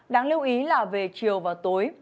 đáng lưu ý là về chiều và tối